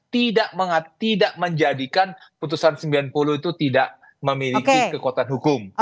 tidak menjadikan putusan sembilan puluh itu tidak memiliki kekuatan hukum